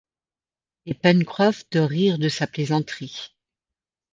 Et Pencroff de rire de sa plaisanterie.